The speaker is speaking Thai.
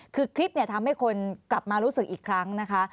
คือคลิปทำให้คนกลับมารู้สึกอีกครั้งนะคะ